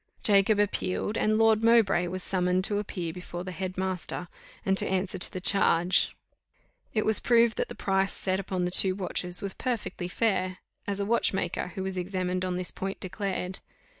Jacob appealed, and Lord Mowbray was summoned to appear before the head master, and to answer to the charge. It was proved that the price set upon the two watches was perfectly fair, as a watchmaker, who was examined on this point, declared.